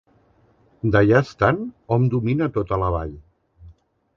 D'allà estant hom domina tota la vall.